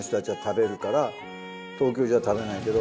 東京じゃ食べないけど。